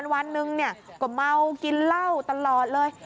วันหนึ่งก็เมากินเหล้าตลอดเลย